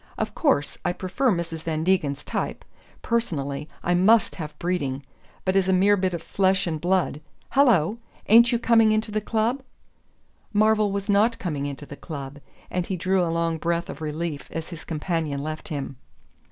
Of course I prefer Mrs. Van Degen's type personally, I MUST have breeding but as a mere bit of flesh and blood... hallo, ain't you coming into the club?" Marvell was not coming into the club, and he drew a long breath of relief as his companion left him.